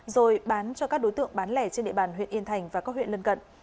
rồi bán cho các đối tượng bán lẻ trên địa bàn huyện yên thành và các huyện lân cận